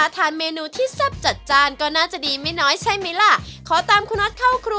ไปดูว่ามีส่วนผสมอะไรบ้าง